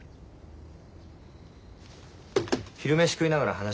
昼飯食いながら話聞く。